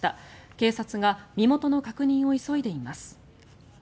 警察が身元の確認を急いでいます。